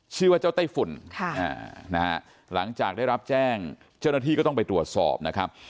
ชื่อว่าเจ้าไต้ฝุ่นหลังจากได้รับแจ้งเจ้าหน้าที่ก็ต้องไปตรวจสอบนะครับ